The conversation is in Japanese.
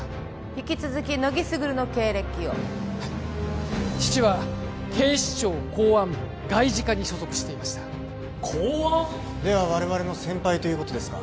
引き続き乃木卓の経歴をはい父は警視庁公安部外事課に所属していました公安？では我々の先輩ということですか？